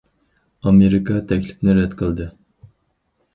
ئامېرىكا تەكلىپنى رەت قىلدى.